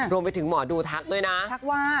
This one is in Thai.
รวมไปถึงหมอดูทักด้วยนะทักว่า